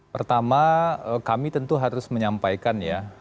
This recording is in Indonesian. pertama kami tentu harus menyampaikan ya